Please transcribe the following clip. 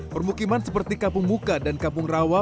permukiman seperti kampung muka dan kampung rawa